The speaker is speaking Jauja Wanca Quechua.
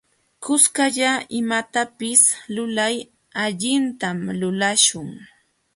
Kuskalla imatapis lulal allintam lulaśhun.